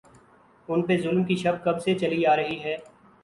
ان پہ ظلم کی شب کب سے چلی آ رہی ہے۔